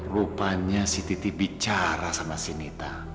rupanya si titi bicara sama si nita